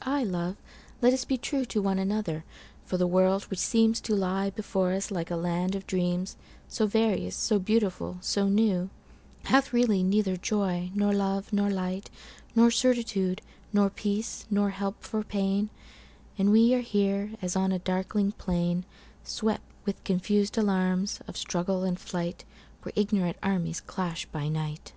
Ah, love, let us be trueTo one another! for the world, which seemsTo lie before us like a land of dreams, So various, so beautiful, so new, Hath really neither joy, nor love, nor light, Nor certitude, nor peace, nor help for pain; And we are here as on a darkling plainSwept with confus'd alarms of struggle and flight, Where ignorant armies clash by night.